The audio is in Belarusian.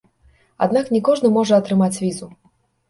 Аднак не кожны можа атрымаць візу.